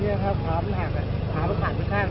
เรื่องต้นอาจารย์เป็นอย่างไรบ้าง